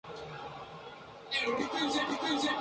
Aquí se presentan los actuales campeones de goleo por torneo.